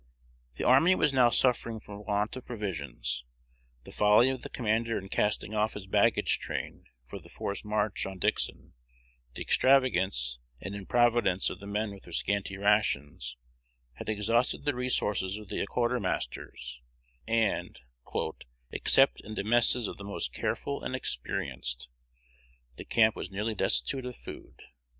The army was now suffering for want of provisions. The folly of the commander in casting off his baggage train for the forced march on Dixon, the extravagance and improvidence of the men with their scanty rations, had exhausted the resources of the quartermasters, and, "except in the messes of the most careful and experienced," the camp was nearly destitute of food.